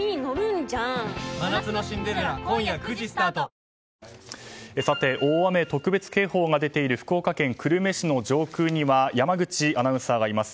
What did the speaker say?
一方、発生からさて、大雨特別警報が出ている福岡県久留米市の上空には山口アナウンサーがいます。